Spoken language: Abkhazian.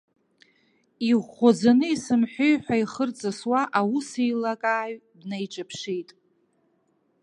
Иӷәӷәаӡаны исымҳәеи ҳәа ихы рҵысуа, аусеилкааҩ днаиҿаԥшит.